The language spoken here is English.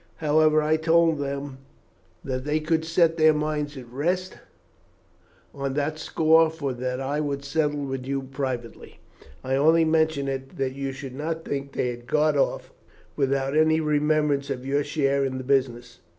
However, I told them that they could set their minds at rest on that score, for that I would settle with you privately. I only mention it that you should not think they had gone off without any remembrance of your share in the business."